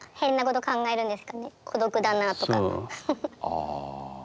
ああ。